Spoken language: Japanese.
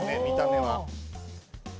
見た目は。